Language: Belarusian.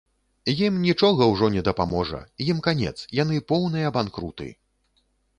Ім нічога ўжо не дапаможа, ім канец, яны поўныя банкруты!